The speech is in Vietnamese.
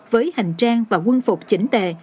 với hành trang và quân phục chỉnh tệ